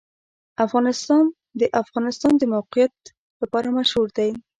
افغانستان د د افغانستان د موقعیت لپاره مشهور دی.